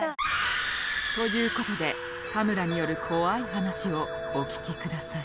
ということで田村による怖い話をお聞きください